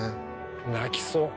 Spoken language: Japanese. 泣きそう。